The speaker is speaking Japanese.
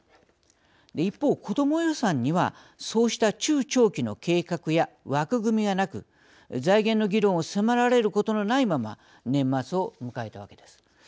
一方子ども予算にはそうした中長期の計画や枠組みがなく財源の議論を迫られることのないまま年末を迎えたわけです。